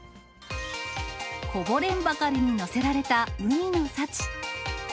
こぼれんばかりに載せられた海の幸。